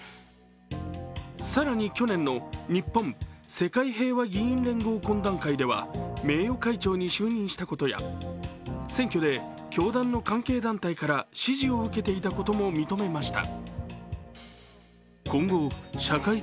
更に去年の日本・世界平和議員連合懇談会では名誉会長に就任したことや選挙で教団の関係団体から支持を受けていたことも認めました。